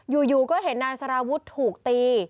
อยู่ก็เห็นนายสารวุฒิถูกตี